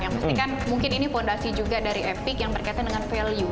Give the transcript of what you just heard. yang pasti kan mungkin ini fondasi juga dari epic yang berkaitan dengan value